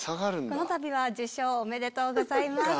このたびは受賞おめでとうございます。